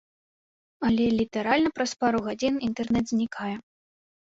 Але літаральна праз пару гадзін інтэрнэт знікае.